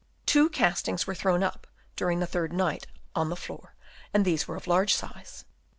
Two castings were thrown up during the third night on the floor, and these were of large size.